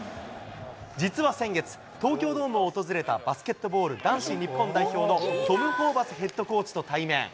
実は先月、東京ドームを訪れたバスケットボール男子日本代表のトム・ホーバスヘッドコーチと対面。